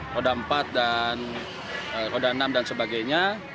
roda empat dan roda enam dan sebagainya